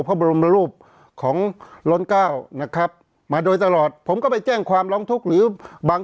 พระบรมรูปของล้นเก้านะครับมาโดยตลอดผมก็ไปแจ้งความร้องทุกข์หรือบาง